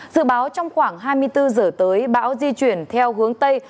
dự báo trong khoảng hai mươi bốn giờ tới bão di chuyển theo hướng tây